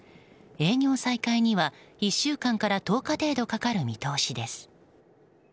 営業再開には１週間から１０日程度かかる見通しです。